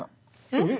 えっ！